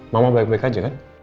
mama baik baik aja kan